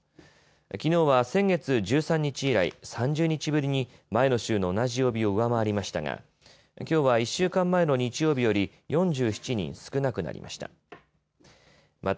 きのうは先月１３日以来、３０日ぶりに前の週の同じ曜日を上回りましたがきょうは１週間前の日曜日より４７人少なくなりました。